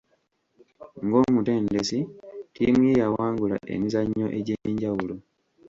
Ng'omutendesi, ttiimu ye yawangula emizannyo egy'enjawulo.